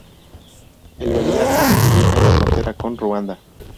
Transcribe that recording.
El valiato se ubica en la frontera con Ruanda.